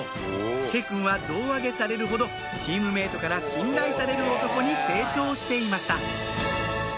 慶くんは胴上げされるほどチームメートから信頼される男に成長していました